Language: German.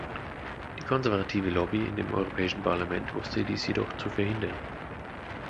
Die konservative Lobby in dem Europäischen Parlament wusste dies jedoch zu verhindern.